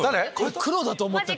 黒だと思ってた。